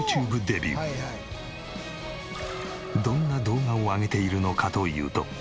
どんな動画を上げているのかというと。